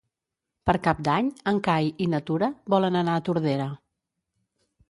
Per Cap d'Any en Cai i na Tura volen anar a Tordera.